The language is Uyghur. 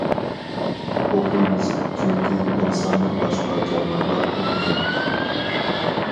ئوقۇيمىز، چۈنكى ئىنساندىن باشقا جانلىقلار ئوقۇمايدۇ.